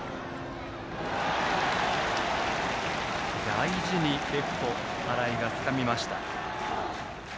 大事にレフト荒居がつかみました。